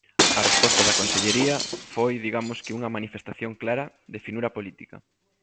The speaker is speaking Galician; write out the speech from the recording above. A resposta da Consellería foi digamos que unha manifestación clara de finura política.